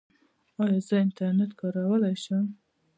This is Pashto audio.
ایا زه انټرنیټ کارولی شم؟